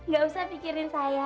gak usah pikirin saya